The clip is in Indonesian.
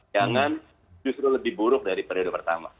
jangan justru lebih buruk dari periode pertama